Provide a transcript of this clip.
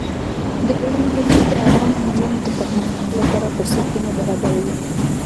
د بولان پټي د افغان نجونو د پرمختګ لپاره فرصتونه برابروي.